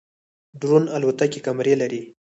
ډرون الوتکې کمرې لري